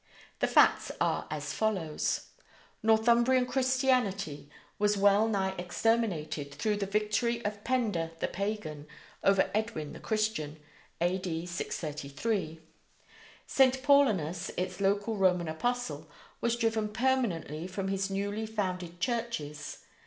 The facts are as follows: Northumbrian Christianity was well nigh exterminated through the victory of Penda the pagan over Edwin the Christian, A.D. 633. St. Paulinus, its local Roman apostle, was driven permanently from his newly founded churches.